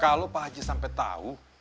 kalau pak haji sampai tahu